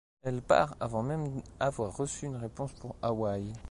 Elle part avant même avoir reçu une réponse pour Hawaï.